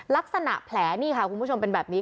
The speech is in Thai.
ลักษณะแผลนี่ค่ะคุณผู้ชมเป็นแบบนี้